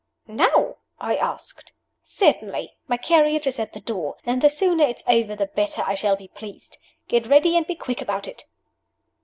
"Now?" I asked. "Certainly! My carriage is at the door. And the sooner it's over the better I shall be pleased. Get ready and be quick about it!"